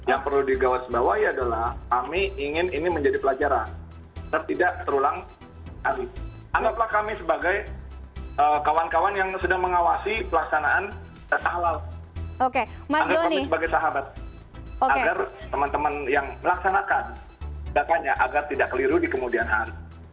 anda sebagai sahabat agar teman teman yang melaksanakan datanya agar tidak keliru di kemudianan